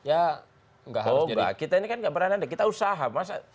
oh enggak kita ini kan gak berananda kita usaha